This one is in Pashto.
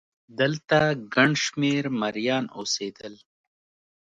دلته ګڼ شمېر مریان اوسېدل